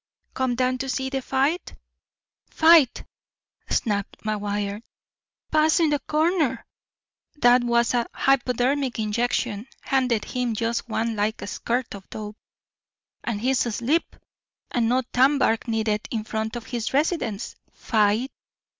"Come down to see the fight?" "Fight!" snapped McGuire. "Puss in the corner! 'Twas a hypodermic injection. Handed him just one like a squirt of dope, and he's asleep, and no tanbark needed in front of his residence. Fight!"